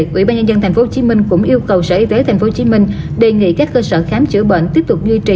ủy ban nhân dân tp hcm cũng yêu cầu sở y tế tp hcm đề nghị các cơ sở khám chữa bệnh tiếp tục duy trì